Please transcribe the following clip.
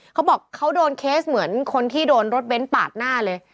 เขาบอกเขาโดนเคสเหมือนคนที่โดนรถเบ้นปาดหน้าเลย